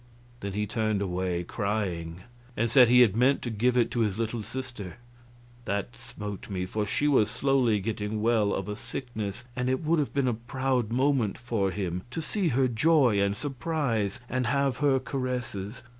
Then he turned away, crying, and said he had meant to give it to his little sister. That smote me, for she was slowly getting well of a sickness, and it would have been a proud moment for him, to see her joy and surprise and have her caresses.